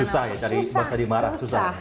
susah ya tadi bang sandi marah susah